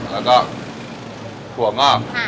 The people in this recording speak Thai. แล้วก็ถั่วงอก